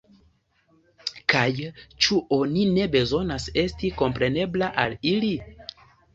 Kaj, ĉu oni ne bezonas esti komprenebla al ili?